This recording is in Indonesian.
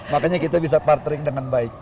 makanya kita bisa partering dengan baik